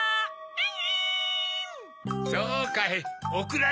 アン！